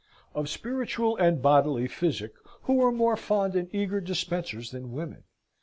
Of spiritual and bodily physic, who are more fond and eager dispensers than women?